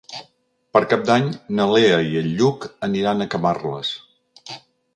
Per Cap d'Any na Lea i en Lluc aniran a Camarles.